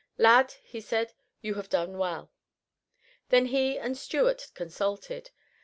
"Lad," he said, "you have done well." Then he and Stuart consulted.